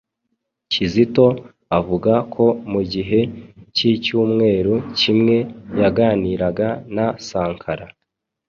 Kizito avuga ko mu gihe cy'icyumweru kimwe, yaganiraga na 'Sankara'